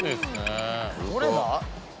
どれだ？